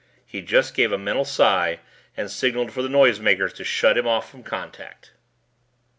He just gave a mental sigh and signaled for the noisemakers to shut him off from contact.